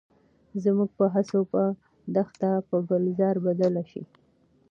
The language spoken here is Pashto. زموږ په هڅو به دښته په ګلزار بدله شي.